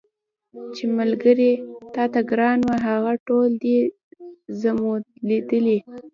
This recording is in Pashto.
چي ملګري تاته ګران وه هغه ټول دي زمولېدلي